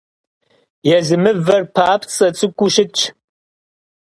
Езы мывэр папцӀэ цӀыкӀуу щытщ.